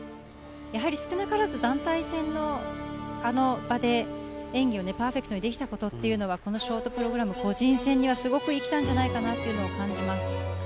やはり少なからず、団体戦のあの場で演技をパーフェクトにできたことはショートプログラム、個人戦にはすごく生きたんじゃないかと感じます。